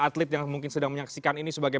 atlet yang mungkin sedang menyaksikan ini sebagai